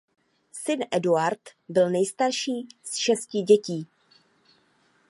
Syn Eduard byl nejstarší z šesti dětí.